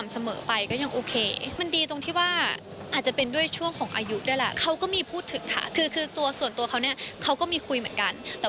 ซึ่งระยะห่างด้วยหน้าที่การงานของแฟนหนุ่ม